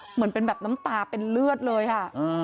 เหมือนเป็นแบบน้ำตาเป็นเลือดเลยค่ะ